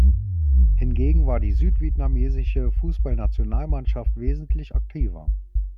Hingegen war die "Südvietnamesische Fußballnationalmannschaft" wesentlich aktiver.